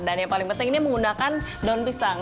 dan yang paling penting ini menggunakan daun pisang